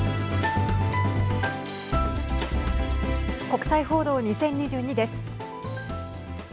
国際報道２０２２です。